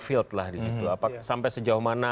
field lah sampai sejauh mana